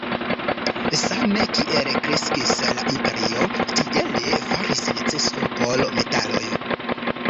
Same kiel kreskis la imperio, tiele faris neceso por metaloj.